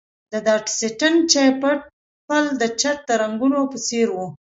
دا د سیسټین چیپل د چت د رنګولو په څیر و